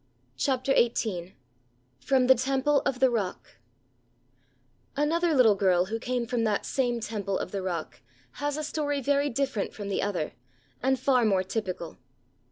CHAPTER XVIII From the Temple of the Rock ANOTHER little girl who came from that same Temple of the Rock has a story very different from the other, and far more typical.